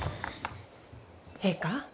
ええか？